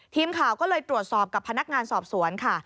ทีมข่าวก็เลยตรวจสอบกับพนักงานสอบสวนค่ะ